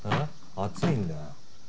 暑いんだよ。